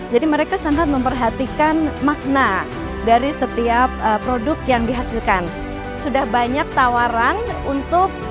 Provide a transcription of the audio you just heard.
jadi mereka sangat memperhatikan makna dari setiap produk yang dihasilkan sudah banyak tawaran untuk